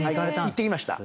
行ってきました。